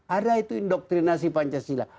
ada itu indoktrinasi pancasila